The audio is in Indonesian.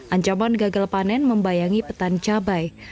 ancaman gagal panen membayangi petani cabai